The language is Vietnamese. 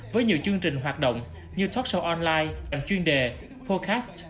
với nhiều chương trình hoạt động như talk show online trạng chuyên đề podcast